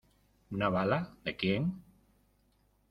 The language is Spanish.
¿ una bala, de quién?